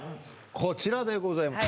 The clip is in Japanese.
こちらでございます